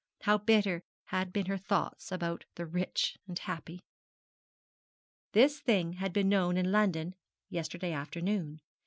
how bitter had been her thoughts about the rich and happy! This thing had been known in London yesterday afternoon.